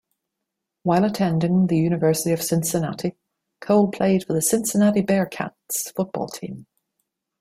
While attending the University of Cincinnati, Cole played for the Cincinnati Bearcats football team.